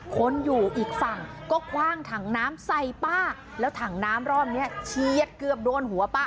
คนอยู่อีกฝั่งก็คว่างถังน้ำใส่ป้าแล้วถังน้ำรอบนี้เฉียดเกือบโดนหัวป้า